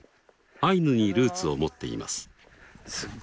アイヌにルーツを持っています。